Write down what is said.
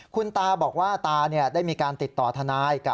คุณตาบอกว่าตาเนี่ยได้มีการติดต่อธนายท์